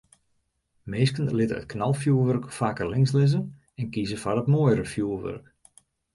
Minsken litte it knalfjoerwurk faker links lizze en kieze foar it moaiere fjoerwurk.